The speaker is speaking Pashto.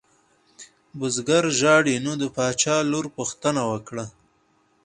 بزګر ژاړي نو د باچا لور پوښتنه وکړه.